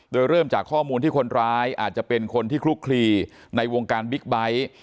โดยเริ่มจากข้อมูลที่คนร้ายอาจจะเป็นคนที่คลุกคลีในวงการบิ๊กไบท์